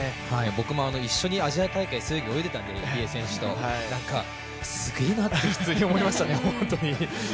僕も一緒にアジア大会、背泳ぎ泳いでいたのですげえなって普通に思いましたね、ホントに。